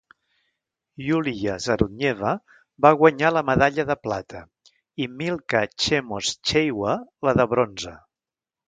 Yuliya Zarudneva va guanyar la medalla de plata i Milcah Chemos Cheywa la de bronze.